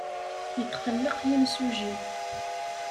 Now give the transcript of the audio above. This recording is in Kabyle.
Yetqelleq yimsujji.